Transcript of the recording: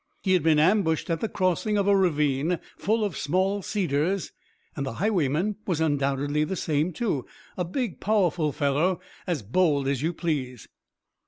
He had been ambushed at the crossing of a ravine full of small cedars, and the highwayman was undoubtedly the same, too, a big, powerful fellow, as bold as you please."